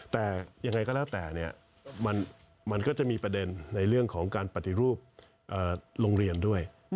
แต่ยังไงก็แล้วแต่มันก็จะมีประเด็นในเรื่องของการปฏิรูปโรงเรียนด้วย